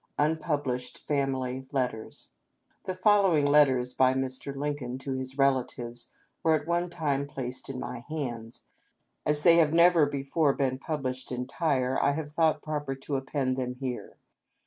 UNPUBLISHED FAMILY LETTERS. The following letters by Mr. Lincoln to his relatives were at one time placed in my hands. As they have never before been pubHshed entire I have thought proper to append them here.